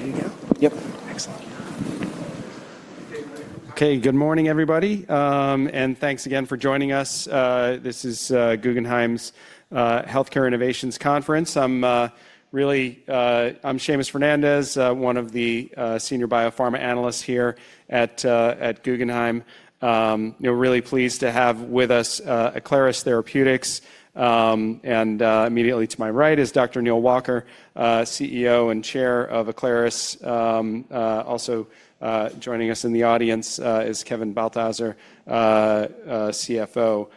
Ready to go? Yep. Excellent. Thanks again for joining us. This is Guggenheim's Healthcare Innovations Conference. I'm really, I'm Seamus Fernandez, one of the senior biopharma analysts here at Guggenheim. You know, really pleased to have with us Aclaris Therapeutics, and immediately to my right is Dr. Neal Walker, CEO and Chair of Aclaris. Also, joining us in the audience is Kevin Balthaser, CFO.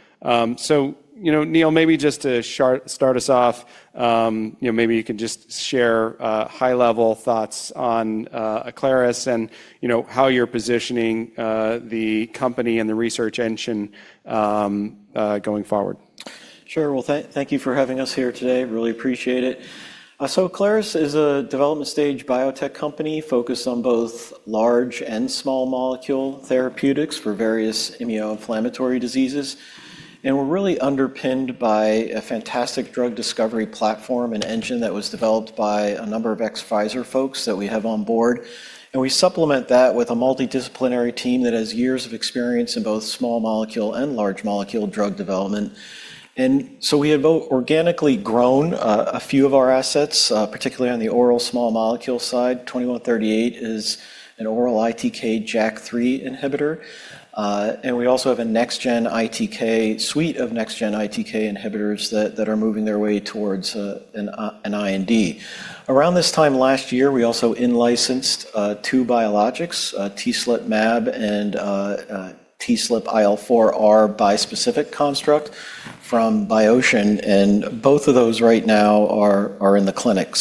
So, you know, Neal, maybe just to start us off, you know, maybe you could just share high-level thoughts on Aclaris and, you know, how you're positioning the company and the research engine going forward. Sure. Thank you for having us here today. Really appreciate it. Aclaris is a development-stage biotech company focused on both large and small molecule therapeutics for various immunoinflammatory diseases. We're really underpinned by a fantastic drug discovery platform and engine that was developed by a number of ex-Pfizer folks that we have on board. We supplement that with a multidisciplinary team that has years of experience in both small molecule and large molecule drug development. We have organically grown a few of our assets, particularly on the oral small molecule side. 2138 is an oral ITK JAK3 inhibitor. We also have a next-gen ITK suite of next-gen ITK inhibitors that are moving their way towards an IND. Around this time last year, we also in-licensed two biologics, TSLP MAB and TSLP IL4R bispecific construct from BiOcean. Both of those right now are in the clinic.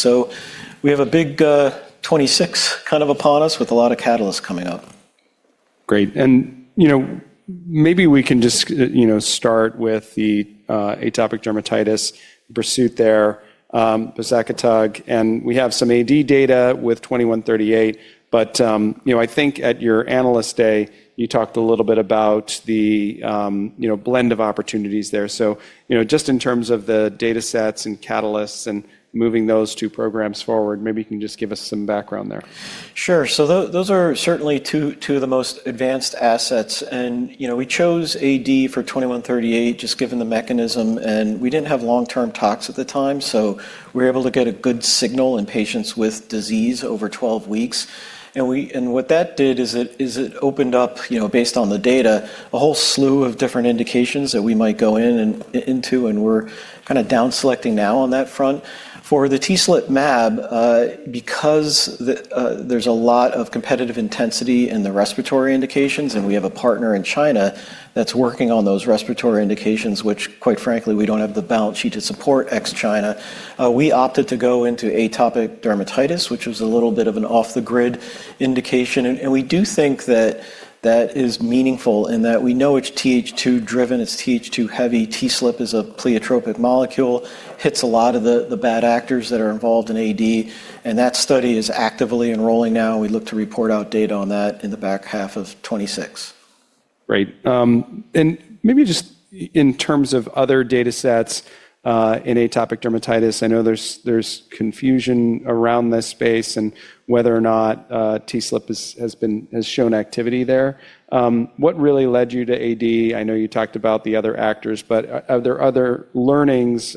We have a big 2026 kind of upon us with a lot of catalysts coming up. Great. And, you know, maybe we can just, you know, start with the atopic dermatitis pursuit there, Basakhatog. And we have some AD data with 2138, but, you know, I think at your analyst day, you talked a little bit about the, you know, blend of opportunities there. So, you know, just in terms of the datasets and catalysts and moving those two programs forward, maybe you can just give us some background there. Sure. Those are certainly two of the most advanced assets. You know, we chose AD for 2138 just given the mechanism, and we did not have long-term talks at the time, so we were able to get a good signal in patients with disease over 12 weeks. What that did is it opened up, you know, based on the data, a whole slew of different indications that we might go in and into, and we are kind of down-selecting now on that front. For the TSLP MAB, because there is a lot of competitive intensity in the respiratory indications, and we have a partner in China that is working on those respiratory indications, which, quite frankly, we do not have the balance sheet to support ex-China, we opted to go into atopic dermatitis, which was a little bit of an off-the-grid indication. We do think that that is meaningful in that we know it's TH2-driven, it's TH2-heavy. TSLP is a pleiotropic molecule, hits a lot of the bad actors that are involved in AD, and that study is actively enrolling now. We look to report out data on that in the back half of 2026. Great. And maybe just in terms of other datasets, in atopic dermatitis, I know there's confusion around this space and whether or not TSLP has been, has shown activity there. What really led you to AD? I know you talked about the other actors, but are there other learnings,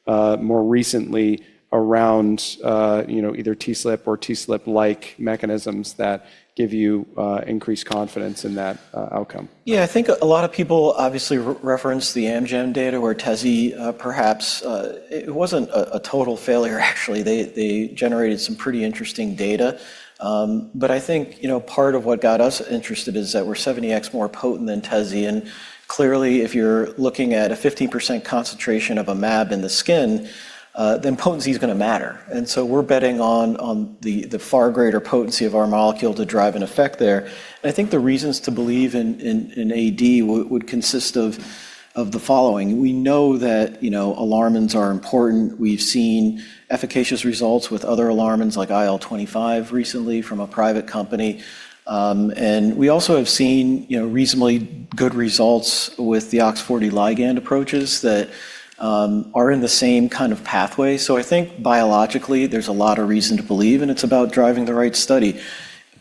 more recently around, you know, either TSLP or TSLP-like mechanisms that give you increased confidence in that outcome? Yeah, I think a lot of people obviously reference the Amgen data or Tezspire, perhaps. It wasn't a total failure, actually. They generated some pretty interesting data. I think, you know, part of what got us interested is that we're 70x more potent than Tezspire. Clearly, if you're looking at a 15% concentration of a MAB in the skin, then potency's gonna matter. We're betting on the far greater potency of our molecule to drive an effect there. I think the reasons to believe in AD would consist of the following. We know that, you know, alarmans are important. We've seen efficacious results with other alarmans like IL25 recently from a private company. We also have seen reasonably good results with the OX-40 ligand approaches that are in the same kind of pathway. I think biologically there's a lot of reason to believe, and it's about driving the right study.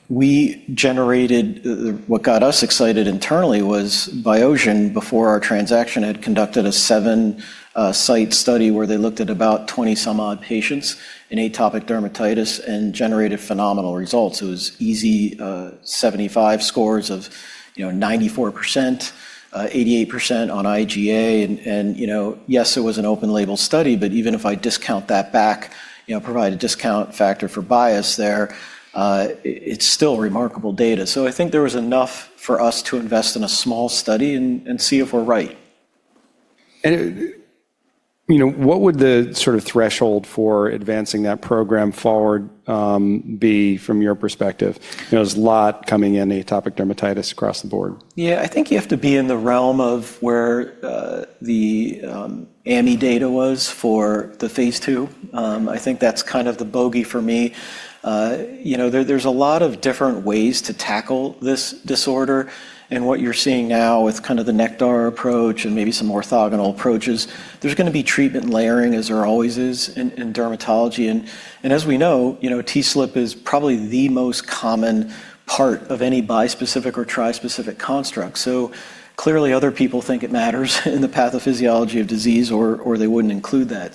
We generated, what got us excited internally was BiOcean before our transaction had conducted a seven-site study where they looked at about 20-some-odd patients in atopic dermatitis and generated phenomenal results. It was EASI 75 scores of, you know, 94%, 88% on IgA. And, you know, yes, it was an open-label study, but even if I discount that back, you know, provide a discount factor for bias there, it's still remarkable data. I think there was enough for us to invest in a small study and see if we're right. You know, what would the sort of threshold for advancing that program forward be from your perspective? You know, there's a lot coming in atopic dermatitis across the board. Yeah, I think you have to be in the realm of where the AMI data was for the phase two. I think that's kind of the bogey for me. You know, there are a lot of different ways to tackle this disorder. What you're seeing now with kind of the Nectar approach and maybe some orthogonal approaches, there's gonna be treatment layering as there always is in dermatology. As we know, you know, TSLP is probably the most common part of any bispecific or trispecific construct. Clearly, other people think it matters in the pathophysiology of disease or they wouldn't include that.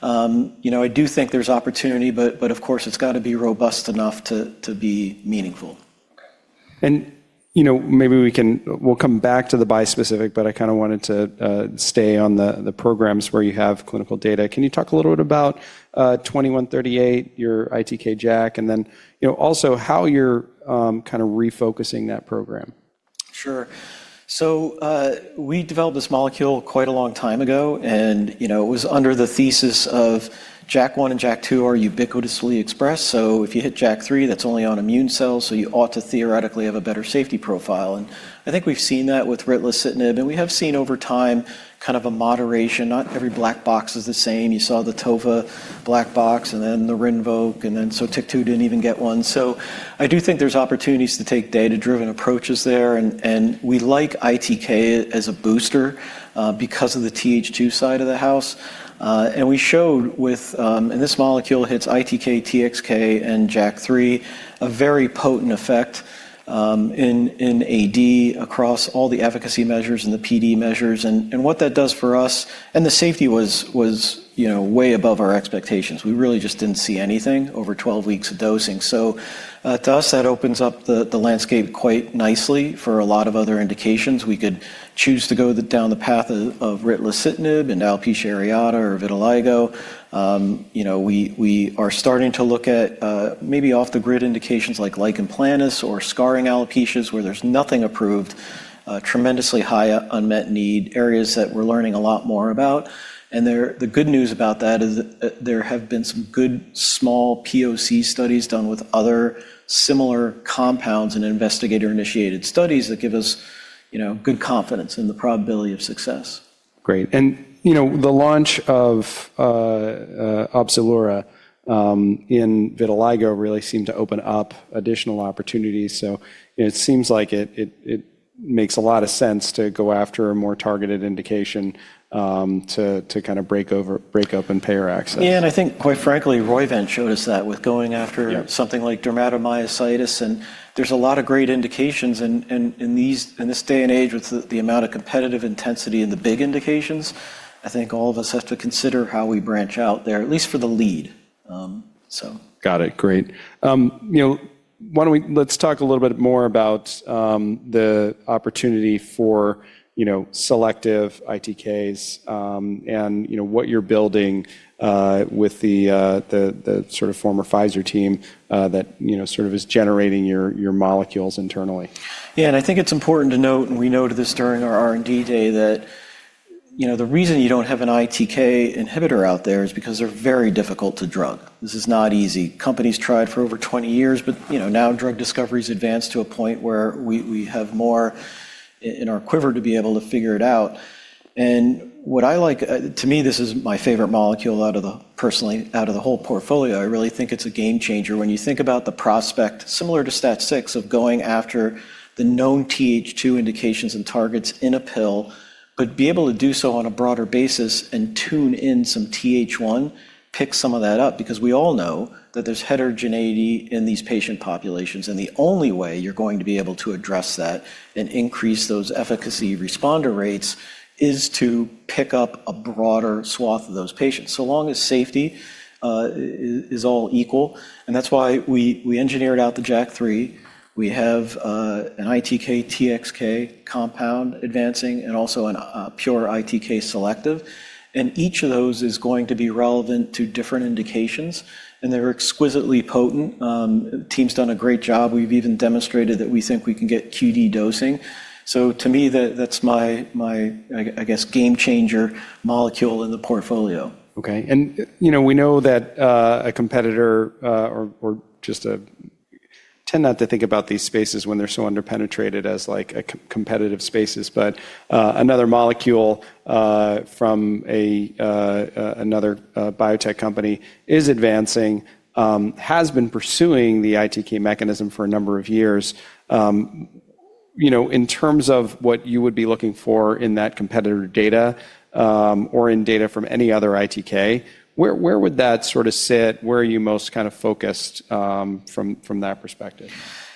You know, I do think there's opportunity, but of course it's gotta be robust enough to be meaningful. Okay. And, you know, maybe we can, we'll come back to the bispecific, but I kind of wanted to stay on the programs where you have clinical data. Can you talk a little bit about 2138, your ITK JAK, and then, you know, also how you're kind of refocusing that program? Sure. So, we developed this molecule quite a long time ago, and, you know, it was under the thesis of JAK1 and JAK2 are ubiquitously expressed. So if you hit JAK3, that's only on immune cells, so you ought to theoretically have a better safety profile. And I think we've seen that with Litfulo, and we have seen over time kind of a moderation. Not every black box is the same. You saw the Tofacitinib black box and then the Rinvoq, and then so TYK2 did not even get one. I do think there's opportunities to take data-driven approaches there. And we like ITK as a booster, because of the TH2 side of the house. and we showed with, and this molecule hits ITK, TXK, and JAK3, a very potent effect, in, in AD across all the efficacy measures and the PD measures. What that does for us, and the safety was, you know, way above our expectations. We really just did not see anything over 12 weeks of dosing. To us, that opens up the landscape quite nicely for a lot of other indications. We could choose to go down the path of LITFULO and alopecia areata or vitiligo. You know, we are starting to look at maybe off-the-grid indications like lichen planus or scarring alopecia where there is nothing approved, tremendously high unmet need areas that we are learning a lot more about. The good news about that is that there have been some good small POC studies done with other similar compounds and investigator-initiated studies that give us, you know, good confidence in the probability of success. Great. You know, the launch of OPZELURA in vitiligo really seemed to open up additional opportunities. You know, it seems like it makes a lot of sense to go after a more targeted indication, to kind of break open payer access. Yeah. I think, quite frankly, Roivant showed us that with going after. Yep. Something like dermatomyositis. And there's a lot of great indications in these, in this day and age with the amount of competitive intensity and the big indications, I think all of us have to consider how we branch out there, at least for the lead. So. Got it. Great. You know, why don't we, let's talk a little bit more about the opportunity for, you know, selective ITKs, and, you know, what you're building with the sort of former Pfizer team that, you know, sort of is generating your molecules internally. Yeah. I think it's important to note, and we noted this during our R&D day, that, you know, the reason you don't have an ITK inhibitor out there is because they're very difficult to drug. This is not easy. Companies tried for over 20 years, but, you know, now drug discovery's advanced to a point where we have more in our quiver to be able to figure it out. What I like, to me, this is my favorite molecule out of the, personally, out of the whole portfolio. I really think it's a game changer. When you think about the prospect, similar to STAT6, of going after the known TH2 indications and targets in a pill, but be able to do so on a broader basis and tune in some TH1, pick some of that up, because we all know that there's heterogeneity in these patient populations. The only way you're going to be able to address that and increase those efficacy responder rates is to pick up a broader swath of those patients. So long as safety is all equal. That's why we engineered out the JAK3. We have an ITK TXK compound advancing and also a pure ITK selective. Each of those is going to be relevant to different indications, and they're exquisitely potent. The team's done a great job. We've even demonstrated that we think we can get QD dosing. To me, that's my, I guess, game changer molecule in the portfolio. Okay. You know, we know that a competitor, or just a, tend not to think about these spaces when they're so underpenetrated as like a competitive spaces, but another molecule from another biotech company is advancing, has been pursuing the ITK mechanism for a number of years. You know, in terms of what you would be looking for in that competitor data, or in data from any other ITK, where would that sort of sit? Where are you most kind of focused from that perspective?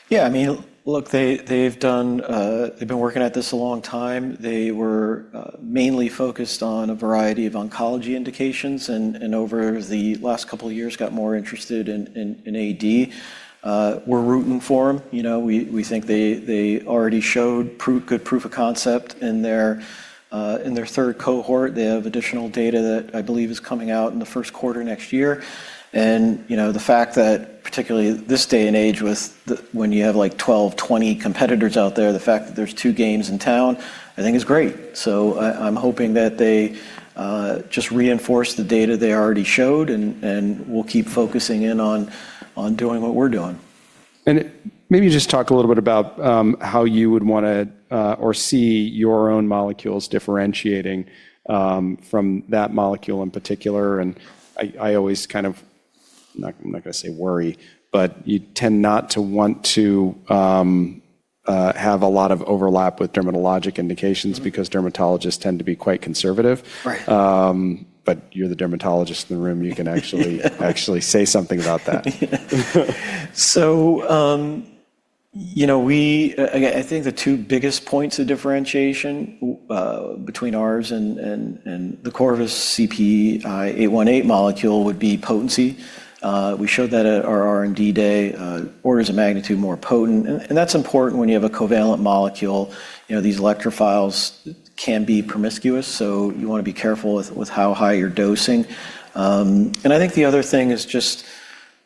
Yeah. I mean, look, they've done, they've been working at this a long time. They were mainly focused on a variety of oncology indications and over the last couple of years got more interested in AD. We're rooting for 'em. You know, we think they already showed good proof of concept in their third cohort. They have additional data that I believe is coming out in the first quarter next year. You know, the fact that particularly this day and age when you have like 12-20 competitors out there, the fact that there's two games in town I think is great. I am hoping that they just reinforce the data they already showed and we'll keep focusing in on doing what we're doing. Maybe you just talk a little bit about how you would wanna, or see your own molecules differentiating from that molecule in particular. I always kind of, I'm not, I'm not gonna say worry, but you tend not to want to have a lot of overlap with dermatologic indications because dermatologists tend to be quite conservative. Right. You're the dermatologist in the room. You can actually say something about that. You know, we, again, I think the two biggest points of differentiation between ours and the Corvus CPI-818 molecule would be potency. We showed that at our R&D day, orders of magnitude more potent. And that's important when you have a covalent molecule. You know, these electrophiles can be promiscuous, so you want to be careful with how high you're dosing. I think the other thing is just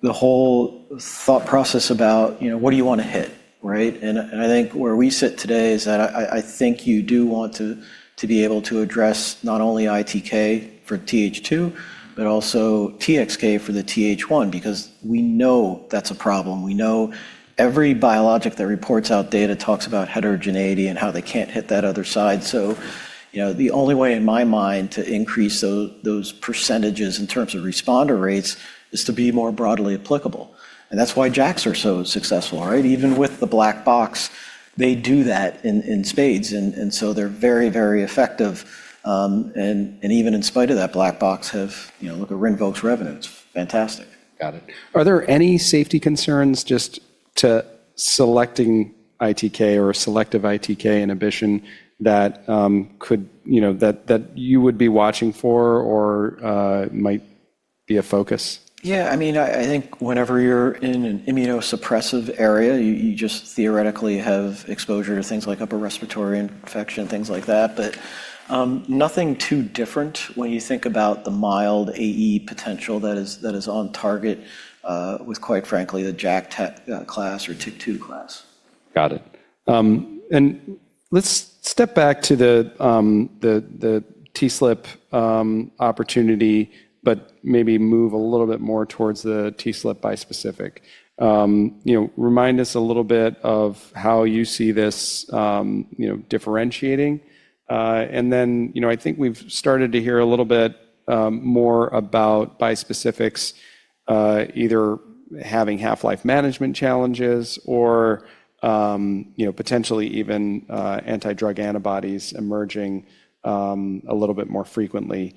the whole thought process about, you know, what do you want to hit, right? I think where we sit today is that I think you do want to be able to address not only ITK for TH2, but also TXK for the TH1, because we know that's a problem. We know every biologic that reports out data talks about heterogeneity and how they can't hit that other side. You know, the only way in my mind to increase those percentages in terms of responder rates is to be more broadly applicable. That's why JAKs are so successful, right? Even with the black box, they do that in spades. They're very, very effective, and even in spite of that black box, you know, look at Rinvoq's revenue. It's fantastic. Got it. Are there any safety concerns just to selecting ITK or selective ITK inhibition that, you know, that you would be watching for or might be a focus? Yeah. I mean, I think whenever you're in an immunosuppressive area, you just theoretically have exposure to things like upper respiratory infection, things like that. Nothing too different when you think about the mild AE potential that is on target, with quite frankly the JAK tech class or TIC2 class. Got it. Let's step back to the TSLP opportunity, but maybe move a little bit more towards the TSLP bispecific. You know, remind us a little bit of how you see this, you know, differentiating. I think we've started to hear a little bit more about bispecifics either having half-life management challenges or, you know, potentially even anti-drug antibodies emerging a little bit more frequently.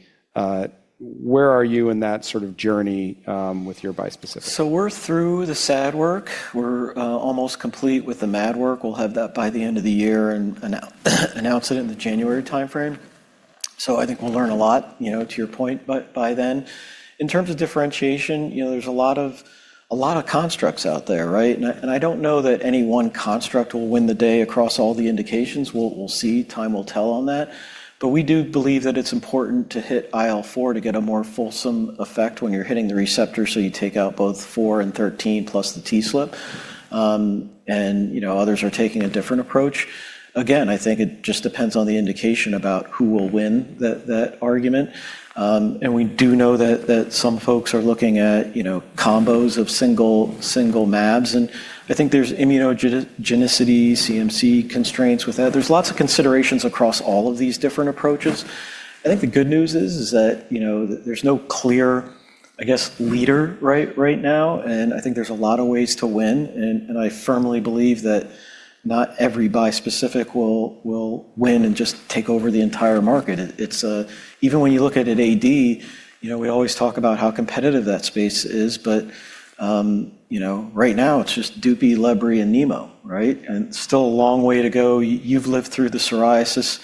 Where are you in that sort of journey with your bispecific? We're through the SAD work. We're almost complete with the MAD work. We'll have that by the end of the year and announce it in the January timeframe. I think we'll learn a lot, you know, to your point, by then. In terms of differentiation, you know, there's a lot of constructs out there, right? I don't know that any one construct will win the day across all the indications. We'll see. Time will tell on that. We do believe that it's important to hit IL4 to get a more fulsome effect when you're hitting the receptor. You take out both four and thirteen plus the TSLP. Others are taking a different approach. Again, I think it just depends on the indication about who will win that argument. We do know that some folks are looking at, you know, combos of single, single MABs. I think there's immunogenicity, CMC constraints with that. There are lots of considerations across all of these different approaches. I think the good news is that, you know, there's no clear, I guess, leader right now. I think there's a lot of ways to win. I firmly believe that not every bispecific will win and just take over the entire market. It's, even when you look at AD, you know, we always talk about how competitive that space is. Right now it's just Doopy, Lebri, and Nemo, right? Still a long way to go. You've lived through the psoriasis,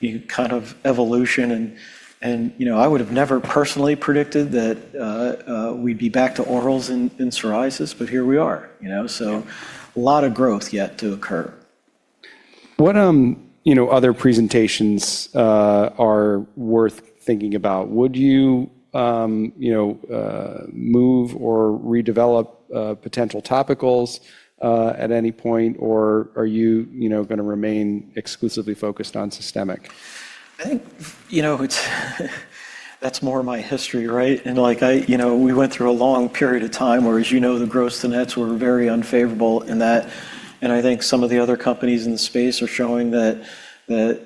you kind of evolution. You know, I would've never personally predicted that we'd be back to orals in psoriasis, but here we are, you know? A lot of growth yet to occur. What, you know, other presentations, are worth thinking about? Would you, you know, move or redevelop, potential topicals, at any point, or are you, you know, gonna remain exclusively focused on systemic? I think, you know, that's more my history, right? And like I, you know, we went through a long period of time where, as you know, the gross to nets were very unfavorable in that. I think some of the other companies in the space are showing that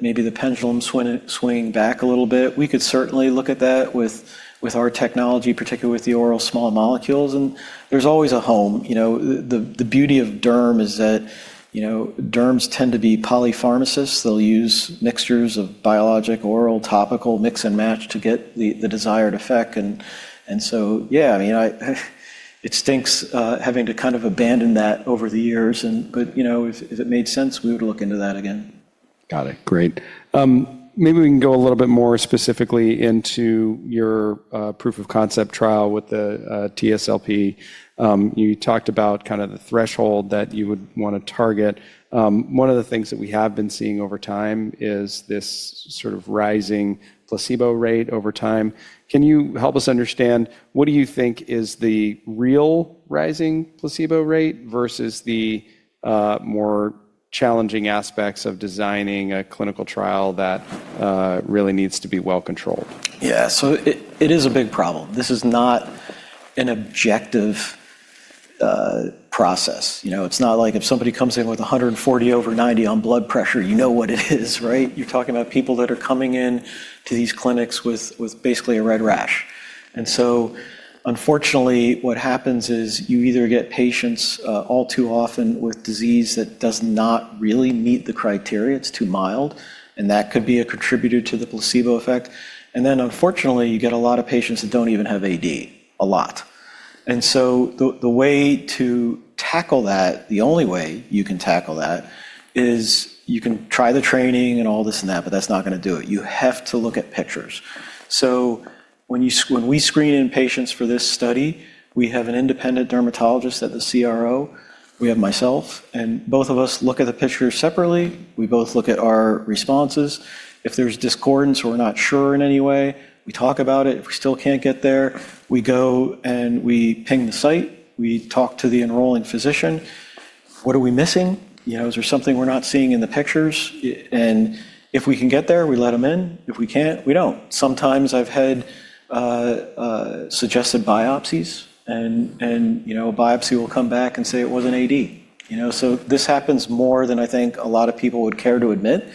maybe the pendulum's swinging back a little bit. We could certainly look at that with our technology, particularly with the oral small molecules. There's always a home, you know? The beauty of derm is that, you know, derms tend to be polypharmacists. They'll use mixtures of biologic, oral, topical, mix and match to get the desired effect. Yeah, I mean, it stinks, having to kind of abandon that over the years. If it made sense, we would look into that again. Got it. Great. Maybe we can go a little bit more specifically into your proof of concept trial with the TSLP. You talked about kind of the threshold that you would wanna target. One of the things that we have been seeing over time is this sort of rising placebo rate over time. Can you help us understand what do you think is the real rising placebo rate versus the more challenging aspects of designing a clinical trial that really needs to be well controlled? Yeah. It is a big problem. This is not an objective process. You know, it's not like if somebody comes in with 140 over 90 on blood pressure, you know what it is, right? You're talking about people that are coming in to these clinics with basically a red rash. Unfortunately, what happens is you either get patients, all too often with disease that does not really meet the criteria. It's too mild, and that could be a contributor to the placebo effect. Unfortunately, you get a lot of patients that do not even have AD, a lot. The way to tackle that, the only way you can tackle that is you can try the training and all this and that, but that's not gonna do it. You have to look at pictures. When you, when we screen in patients for this study, we have an independent dermatologist at the CRO. We have myself, and both of us look at the pictures separately. We both look at our responses. If there's discordance or we're not sure in any way, we talk about it. If we still can't get there, we go and we ping the site. We talk to the enrolling physician. What are we missing? You know, is there something we're not seeing in the pictures? And if we can get there, we let 'em in. If we can't, we don't. Sometimes I've had, suggested biopsies and, you know, a biopsy will come back and say it wasn't AD, you know? This happens more than I think a lot of people would care to admit.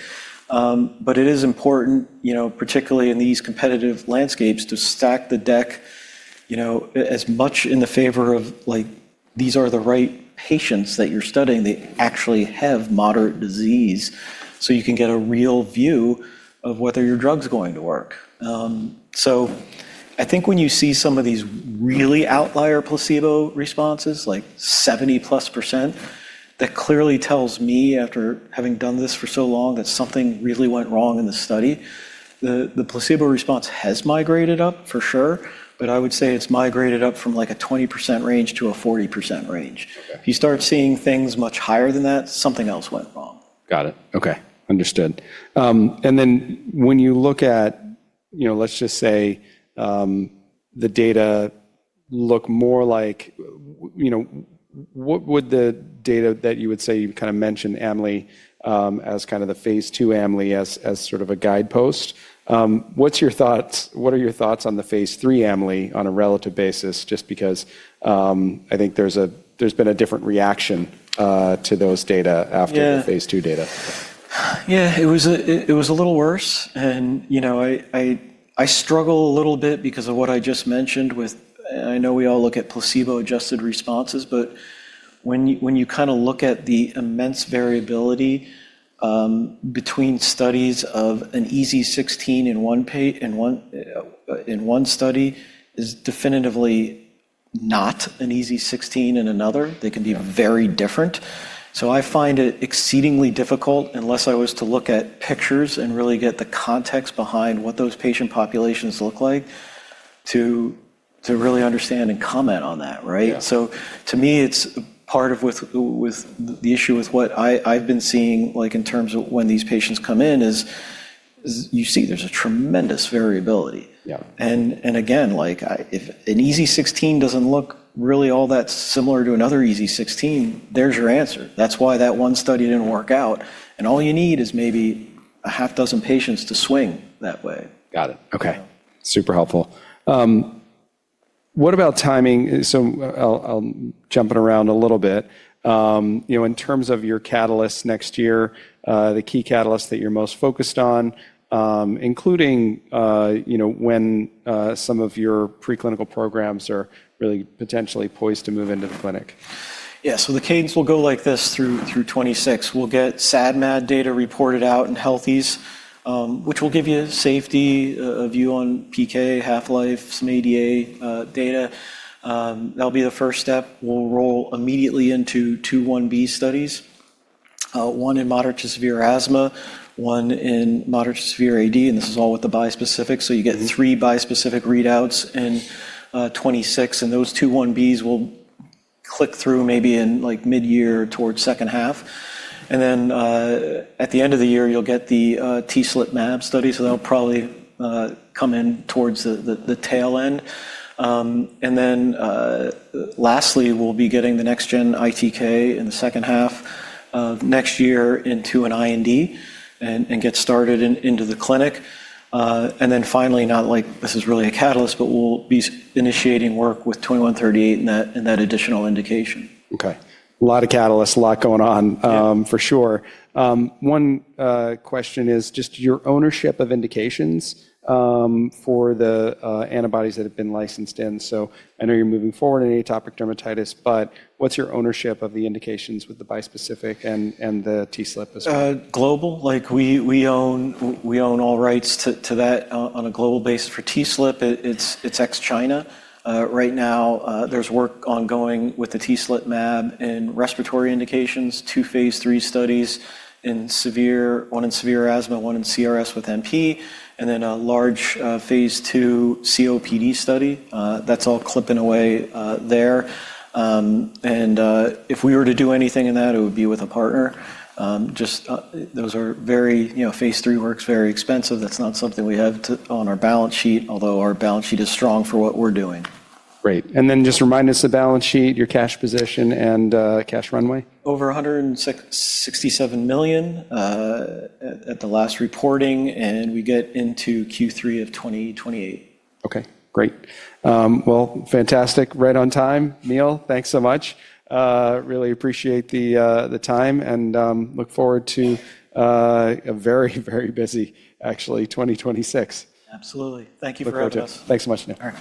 but it is important, you know, particularly in these competitive landscapes, to stack the deck, you know, as much in the favor of like, these are the right patients that you're studying that actually have moderate disease. You can get a real view of whether your drug's going to work. I think when you see some of these really outlier placebo responses, like 70+%, that clearly tells me after having done this for so long that something really went wrong in the study. The placebo response has migrated up for sure, but I would say it's migrated up from like a 20% range to a 40% range. Okay. If you start seeing things much higher than that, something else went wrong. Got it. Okay. Understood. And then when you look at, you know, let's just say, the data look more like, you know, what would the data that you would say you kind of mentioned AMLI as kind of the phase two AMLI as sort of a guidepost? What's your thoughts? What are your thoughts on the phase three AMLI on a relative basis? Just because, I think there's been a different reaction to those data after the phase two data. Yeah. Yeah. It was a, it was a little worse. And, you know, I struggle a little bit because of what I just mentioned with, and I know we all look at placebo-adjusted responses, but when you kind of look at the immense variability, between studies of an EASI 16 in one patient, in one, in one study is definitively not an EASI 16 in another. They can be very different. I find it exceedingly difficult, unless I was to look at pictures and really get the context behind what those patient populations look like, to really understand and comment on that, right? Yeah. To me, it's part of, with the issue with what I, I've been seeing, like in terms of when these patients come in, is you see there's a tremendous variability. Yeah. If an EASI 16 does not look really all that similar to another EASI 16, there is your answer. That is why that one study did not work out. All you need is maybe a half dozen patients to swing that way. Got it. Okay. Super helpful. What about timing? I'll jump it around a little bit. You know, in terms of your catalysts next year, the key catalysts that you're most focused on, including, you know, when some of your preclinical programs are really potentially poised to move into the clinic. Yeah. The cadence will go like this through 2026. We'll get SAD, MAD data reported out in healthies, which will give you a safety view on PK, half-life, some ADA data. That'll be the first step. We'll roll immediately into two 1B studies, one in moderate to severe asthma, one in moderate to severe AD. This is all with the bispecific. You get three bispecific readouts in 2026. Those two 1Bs will click through maybe in like mid-year towards second half. At the end of the year, you'll get the TSLP MAB studies. That'll probably come in towards the tail end. Lastly, we'll be getting the next-gen ITK in the second half next year into an IND and get started into the clinic. and then finally, not like this is really a catalyst, but we'll be initiating work with 2138 in that, in that additional indication. Okay. A lot of catalysts, a lot going on, for sure. One question is just your ownership of indications, for the antibodies that have been licensed in. So I know you're moving forward in atopic dermatitis, but what's your ownership of the indications with the bispecific and the TSLP as well? Like we own all rights to that on a global basis for TSLP. It's ex-China. Right now, there's work ongoing with the TSLP MAB in respiratory indications, two phase three studies in severe, one in severe asthma, one in CRS with NP, and then a large phase two COPD study. That's all clipping away there. If we were to do anything in that, it would be with a partner. Those are very, you know, phase three work is very expensive. That's not something we have to on our balance sheet, although our balance sheet is strong for what we're doing. Great. Just remind us the balance sheet, your cash position and cash runway. Over $167 million at the last reporting. We get into Q3 of 2028. Okay. Great. Fantastic. Right on time. Neal, thanks so much. Really appreciate the time and look forward to a very, very busy, actually, 2026. Absolutely. Thank you for everything. Great project. Thanks so much, Neal. All right.